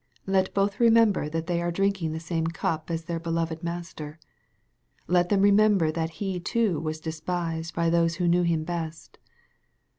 Let both remember that they are drinking the same cup as their beloved Master. Let them remember that He too was despised most by those who knew Him best.